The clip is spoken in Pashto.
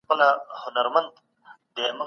ما ستا په قدمونو خپل پلونه ایښودل.